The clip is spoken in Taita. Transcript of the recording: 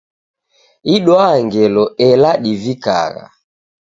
Idwaa ngelo ela divikagha.